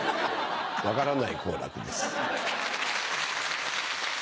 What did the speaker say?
分からない好楽です。